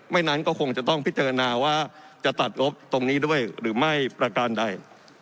นั้นก็คงจะต้องพิจารณาว่าจะตัดงบตรงนี้ด้วยหรือไม่ประการใด